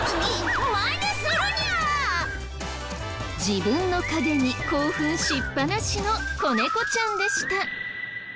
自分の影に興奮しっぱなしの子猫ちゃんでした。